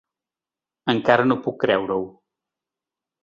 Encara no puc creure-ho.